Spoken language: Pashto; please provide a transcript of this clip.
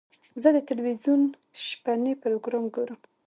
زه د تلویزیون شپهني پروګرام ګورم.